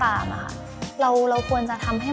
บางทีการเราเอาอารมณ์ของเราไปใส่ในเนื้อเรื่องมากเกินไป